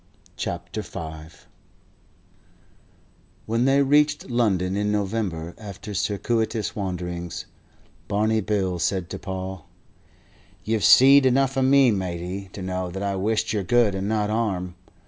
CHAPTER V WHEN they reached London in November, after circuitous wanderings, Barney Bill said to Paul: "You've seed enough of me, matey, to know that I wish yer good and not harm.